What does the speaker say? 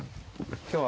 今日は。